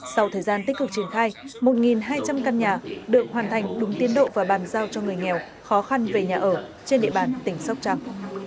sau thời gian tích cực triển khai một hai trăm linh căn nhà được hoàn thành đúng tiến độ và bàn giao cho người nghèo khó khăn về nhà ở trên địa bàn tỉnh sóc trăng